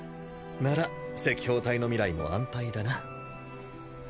なら赤報隊の未来も安泰だな。